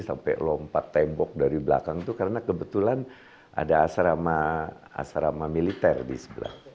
sampai lompat tembok dari belakang itu karena kebetulan ada asrama militer di sebelah